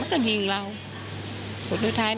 ไม่ตั้งใจครับ